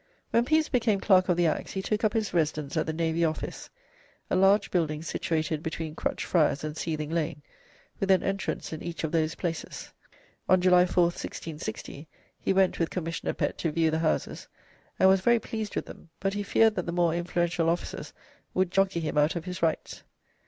When Pepys became Clerk of the Acts he took up his residence at the Navy Office, a large building situated between Crutched Friars and Seething Lane, with an entrance in each of those places. On July 4th, 1660, he went with Commissioner Pett to view the houses, and was very pleased with them, but he feared that the more influential officers would jockey him out of his rights.